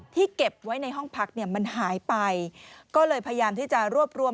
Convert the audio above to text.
เก็บไว้ในห้องพักเนี่ยมันหายไปก็เลยพยายามที่จะรวบรวม